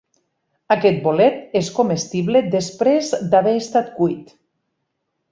Aquest bolet és comestible després d'haver estat cuit.